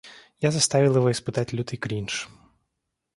Я заставил его испытать лютый кринж.